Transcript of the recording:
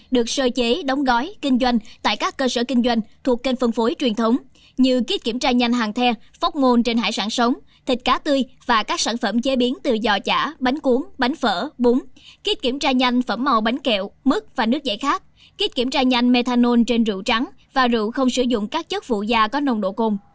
được sơ chế đóng gói kinh doanh tại các cơ sở kinh doanh thuộc kênh phân phối truyền thống như kết kiểm tra nhanh hàng the phóc ngôn trên hải sản sống thịt cá tươi và các sản phẩm chế biến từ giò chả bánh cuốn bánh phở bún kết kiểm tra nhanh phẩm màu bánh kẹo mứt và nước dẻ khác kết kiểm tra nhanh methanol trên rượu trắng và rượu không sử dụng các chất vụ da có nồng độ côn